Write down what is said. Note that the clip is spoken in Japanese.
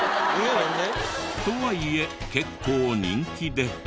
とはいえ結構人気で。